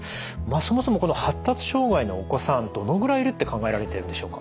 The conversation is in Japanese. そもそもこの発達障害のお子さんどのぐらいいるって考えられているんでしょうか？